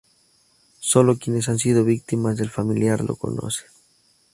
Sólo quienes han sido víctimas del "Familiar" lo conocen.